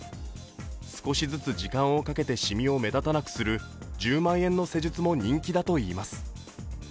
少しずつ時間をかけてしみを目立たなくする、１０万円の施術も人気だといいます。